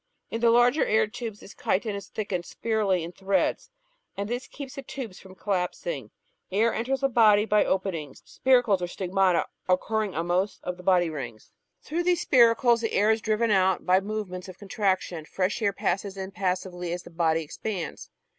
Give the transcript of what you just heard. In the larger air tubes this chitin is thickened spirally in threads, and this keeps the tubes from collapsing. Air enters the body by openings (spiracles or stigmata) occurring on most of the body rings. Natural History 509 Through these spiracles the air is driven out by movements of contraction ; fresh air passes in passively as the body expands.